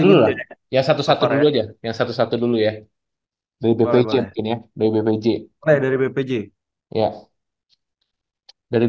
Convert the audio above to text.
dulu ya satu satu dulu aja yang satu satu dulu ya dari bpj ini ya bpj dari bpj ya dari